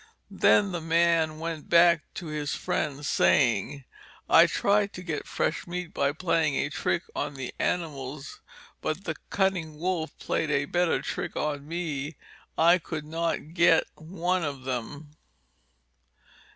Then the man went back to his friends, saying: "I tried to get fresh meat by playing a trick on the animals, but the cunning Wolf played a better trick on me, and I could not get one of them."